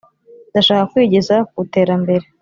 Ndashaka kwigeza kuterambere